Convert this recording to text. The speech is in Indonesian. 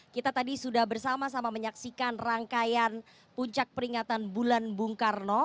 kita tadi sudah bersama sama menyaksikan rangkaian puncak peringatan bulan bung karno